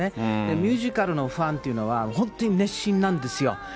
ミュージカルのファンというのは本当に熱心なんですよ。